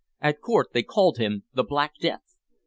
"At court they called him the Black Death.